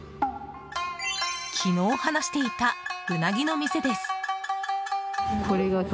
昨日話していた、うなぎの店です。